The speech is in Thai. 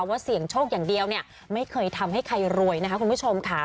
เสี่ยงโชคอย่างเดียวเนี่ยไม่เคยทำให้ใครรวยนะคะคุณผู้ชมค่ะ